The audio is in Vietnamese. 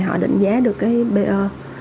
họ định giá được cái b o